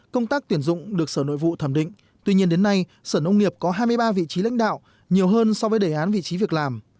công tác tuyển dụng được sở nội vụ thẩm định tuy nhiên đến nay sở nông nghiệp có hai mươi ba vị trí lãnh đạo nhiều hơn so với đề án vị trí việc làm